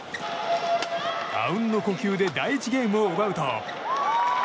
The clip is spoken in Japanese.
あうんの呼吸で第１ゲームを奪うと。